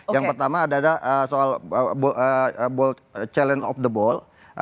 yang pertama adalah soal challenge of the boll